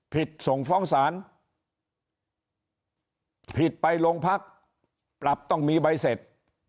ส่งฟ้องศาลผิดไปโรงพักปรับต้องมีใบเสร็จ